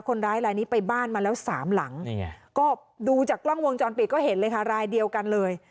คนร้ายลายนี้ไปบ้านมาแล้วสามหลังก็ดูจากกล้องวงจรปิดก็เห็นเลยค่ะรายเดียวกันเลย